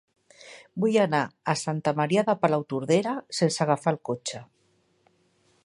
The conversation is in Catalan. Vull anar a Santa Maria de Palautordera sense agafar el cotxe.